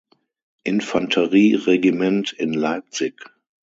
Infanterie Regiment in Leipzig.